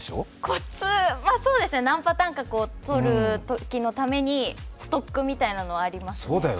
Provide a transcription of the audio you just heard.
コツ、何パターンか撮るときのためにストックみたいなのはあります。